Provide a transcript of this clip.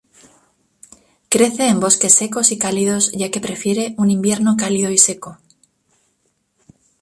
Crece en bosques secos y cálidos ya que prefiere un invierno cálido y seco.